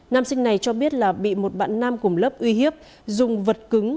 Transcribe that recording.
nam sinh này cho biết là bị một bạn nam cùng lớp uy hiếp dùng vật cứng